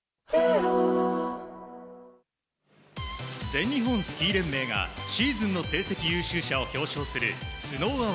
全日本スキー連盟がシーズンの成績優秀者を表彰するＳＮＯＷＡＷＡＲＤ。